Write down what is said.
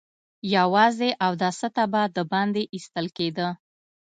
يواځې اوداسه ته به د باندې ايستل کېده.